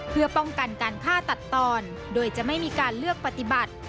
เพื่อป้องกันการฆ่าตัดตอนโดยจะไม่มีการเลือกปฏิบัติ